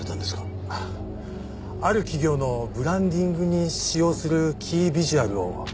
ある企業のブランディングに使用するキービジュアルを。